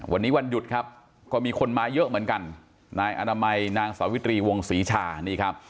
วันนี้วันหยุดครับก็มีคนมาเยอะเหมือนกันนายอนามัยนางสาวิตรีวงศรีชานี่ครับ